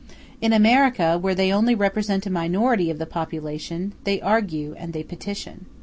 In America, where they only represent a minority of the nation, they argue and they petition.